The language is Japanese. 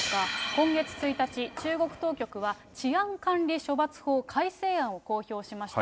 今月１日、中国当局は治安管理処罰法改正案を公表しました。